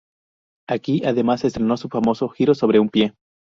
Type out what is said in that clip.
Aquí además estrenó su famoso giro sobre un pie.